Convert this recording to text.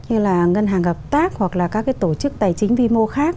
như là ngân hàng hợp tác hoặc là các tổ chức tài chính vi mô khác